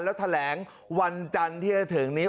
แล้วแถลงวันจันทร์ที่จะถึงนี้